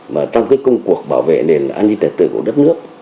mà trong cái công cuộc bảo vệ nền an ninh trật tự của đất nước